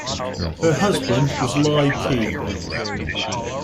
Her husband was Li Qi.